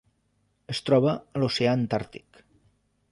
Es troba a l'oceà Antàrtic.